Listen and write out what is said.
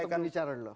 bukan bicara dulu